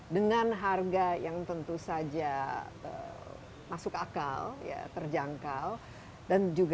dengan harga yang tentu saja masuk akal terjangkau